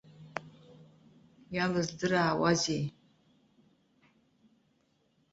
Иалыздыраауазеи!